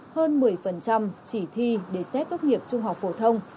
hơn một mươi chỉ thi để xét tốt nghiệp trung học phổ thông